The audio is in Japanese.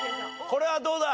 これはどうだ？